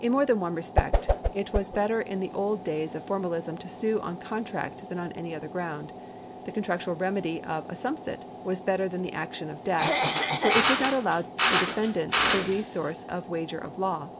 In more than one respect, it was better in the old days of formalism to sue on contract than on any other ground. The (.onfi actual remedy of assumpsit was better than the action of debt, for it flid not allow to the defendant the resource of wager of law.